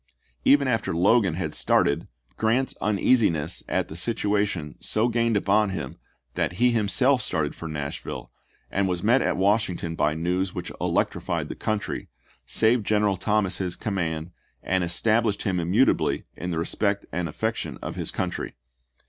Even after Logan had started, Grant's uneasiness at the situation so gained upon him that he himself started for Nashville, and was met at Washington by news which electrified the country, saved General Thomas his command, and established him immutably in the respect and affection of his country.